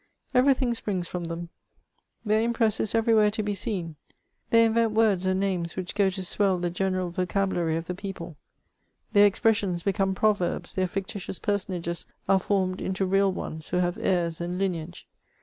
Every thing springs from them ; their impress is everywhere to be seen ; they invent words and names which go to swell the general vo cabulary of the people; their expressions become proverbs, their fictitious personages are formed into real ones, who have heirs and lineage.